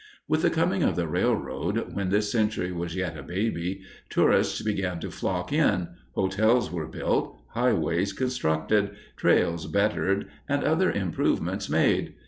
With the coming of the railroad, when this century was yet a baby, tourists began to flock in, hotels were built, highways constructed, trails bettered, and other improvements made.